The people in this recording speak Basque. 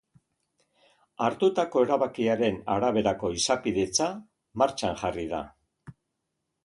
Hartutako erabakiaren araberako izapidetza martxan jarri da.